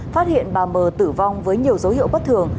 phát hiện bà mờ tử vong với nhiều dấu hiệu bất thường